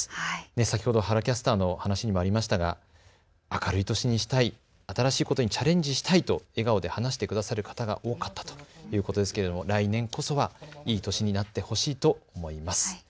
先ほど原キャスターの話にもありましたが明るい年にしたい、新しいことにチャレンジしたいと笑顔で話してくださる方が多かったということですけれども来年こそはいい年になってほしいと思います。